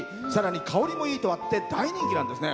香りもいいといって大人気なんですね。